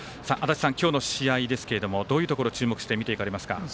今日の試合どういうところ注目して見ていきますか。